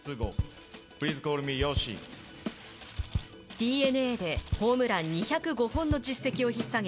ＤｅＮＡでホームラン２０５本の実績をひっ提げ